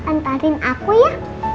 antarin aku ya